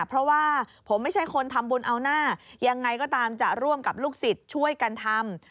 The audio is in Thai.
เพราะว่าผมไม่ใช่คนทำบุญเอาหน้ายังไงก็ตามจะร่วมกับลูกศิษย์ช่วยกันทำ